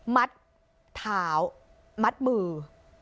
มัดเท้ามัดมือ